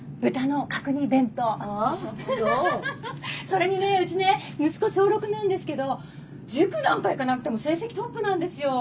それにねうちね息子小６なんですけど塾なんか行かなくても成績トップなんですよ。